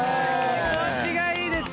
気持ちがいいです！